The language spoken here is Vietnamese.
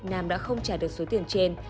nam đã không trả được số tiền trên